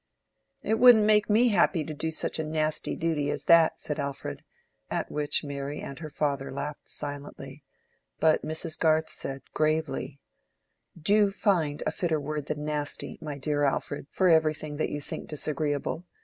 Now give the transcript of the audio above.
"It wouldn't make me happy to do such a nasty duty as that," said Alfred—at which Mary and her father laughed silently, but Mrs. Garth said, gravely— "Do find a fitter word than nasty, my dear Alfred, for everything that you think disagreeable.